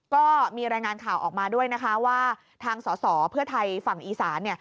ก็มีรายงานข่าวออกมาด้วยนะคะว่าทางสอสอเพื่อไทยฝั่งอีสาน